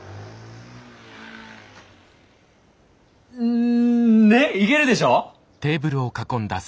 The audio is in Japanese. うんねっイケるでしょ？